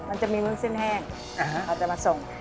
มันจะมีวุ้นเส้นแห้ง